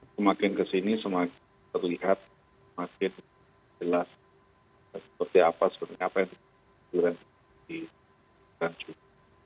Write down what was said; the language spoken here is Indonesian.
semakin kesini semakin terlihat semakin jelas seperti apa yang terjadi di rancun